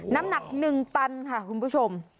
น้ำหนัก๑ตันค่ะคุณผู้ชม